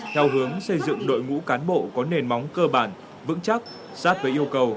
theo hướng xây dựng đội ngũ cán bộ có nền móng cơ bản vững chắc sát với yêu cầu